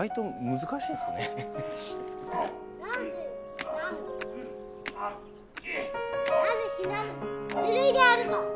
ずるいであるぞ！